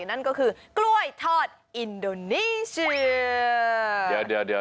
นั่นก็คือกล้วยทอดอินโดนีเชีย